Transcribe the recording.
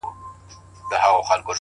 راسه د زړه د سکون غيږي ته مي ځان وسپاره-